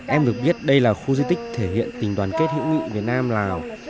em được biết đây là khu di tích thể hiện tình đoàn kết hữu nghị việt nam lào